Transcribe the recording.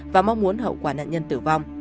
và mong muốn hậu quả nạn nhân tử vong